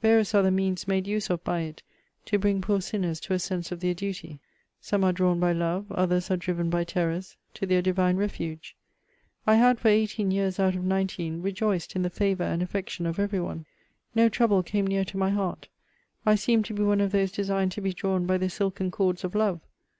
Various are the means made use of by it, to bring poor sinners to a sense of their duty. Some are drawn by love, others are driven by terrors, to their divine refuge. I had for eighteen years out of nineteen, rejoiced in the favour and affection of every one. No trouble came near to my heart, I seemed to be one of those designed to be drawn by the silken cords of love.